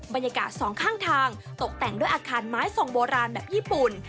บรรยากาศสองข้างทางตกแต่งด้วยอาคารไม้ทรงโบราณแบบญี่ปุ่น